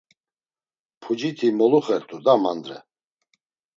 Puciti moluxert̆u da mandre.